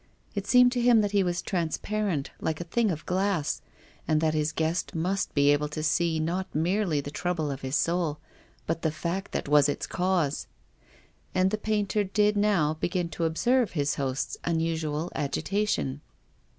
It seemed to him that he was transparent like a thing of glass, and that his guest must be able to see not merely the trouble of his soul, but the fact that was its cause. And the painter did now begin to observe his host's unusual agitation.